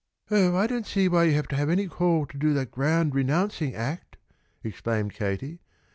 "Oh, I don't see that you have any call to do the grand renouncing act!" exclaimed Katie.